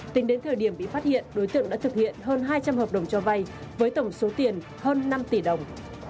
tính đến thời điểm bị phát hiện đối tượng đã thực hiện hơn hai trăm linh hợp đồng cho vai với tổng số tiền hơn năm tỷ đồng